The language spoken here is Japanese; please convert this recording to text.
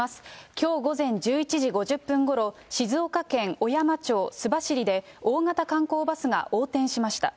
きょう午前１１時５０分ごろ、静岡県小山町須走で、大型観光バスが横転しました。